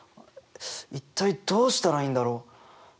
一体どうしたらいいんだろ？